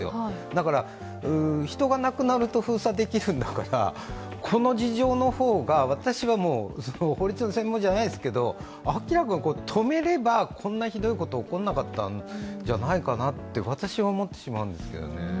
だから人が亡くなると封鎖できるんだから、この事情の方が私はもう法律の専門じゃないですけど明らかに止めればこんなひどいことが起こらなかったんじゃないかなと私は思ってしまうんですよね。